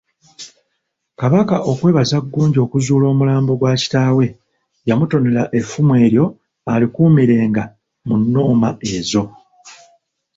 Kabaka okwebaza Ggunju okuzuula omulambo gwa kitaawe, yamutonera effumu eryo alikuumirenga mu nnoma ezo.